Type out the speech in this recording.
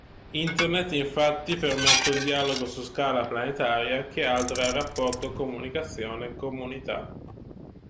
Internet infatti permette un dialogo su scala planetaria che altera il rapporto comunicazione/comunità.